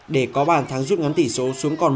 để có bàn thắng rút ngắn tỷ số xuống còn một hai